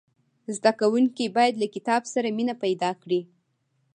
زدهکوونکي باید له کتاب سره مینه پیدا کړي.